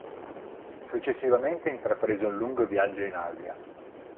Successivamente intraprese un lungo viaggio in Asia.